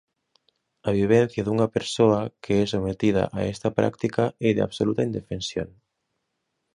A vivencia dunha persoa que é sometida a esta práctica é de absoluta indefensión.